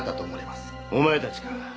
お前たちか。